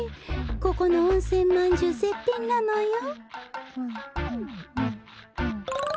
ここのおんせんまんじゅうぜっぴんなのよ。